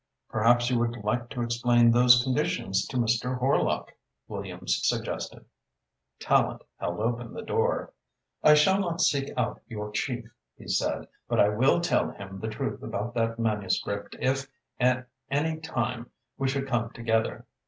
"Perhaps you would like to explain those conditions to Mr. Horlock," Williams suggested. Tallente held open the door. "I shall not seek out your Chief," he said, "but I will tell him the truth about that manuscript if at any time we should come together.